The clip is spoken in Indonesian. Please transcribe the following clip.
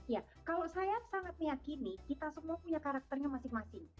ya kalau saya sangat meyakini kita semua punya karakternya masing masing